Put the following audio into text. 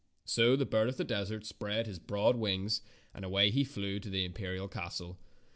So the bird of the desert spread his broad wings, and away he fiew to the imperial castle.